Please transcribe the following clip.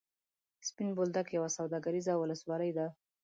سپین بولدک یوه سوداګریزه ولسوالي ده.